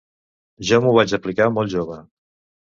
Jo m'ho vaig aplicar molt jove.